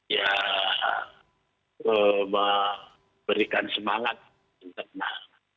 yang memberikan semangat internal